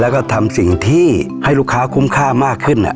แล้วก็ทำสิ่งที่ให้ลูกค้าคุ้มค่ามากขึ้น